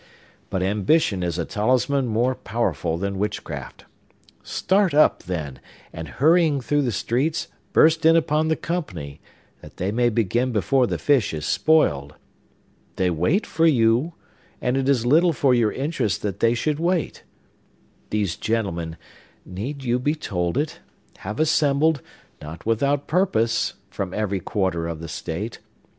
But ambition is a talisman more powerful than witchcraft. Start up, then, and, hurrying through the streets, burst in upon the company, that they may begin before the fish is spoiled! They wait for you; and it is little for your interest that they should wait. These gentlemen—need you be told it?—have assembled, not without purpose, from every quarter of the State.